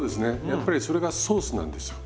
やっぱりそれがソースなんですよ